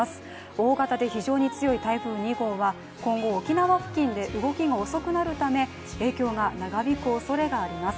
大型で非常に強い台風２号は今後沖縄付近で動きが遅くなるため、影響が長引くおそれがあります。